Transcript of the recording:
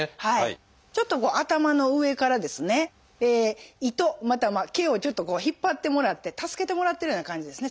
ちょっとこう頭の上からですね糸または毛をちょっと引っ張ってもらって助けてもらってるような感じですね。